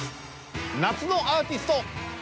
「夏のアーティスト」。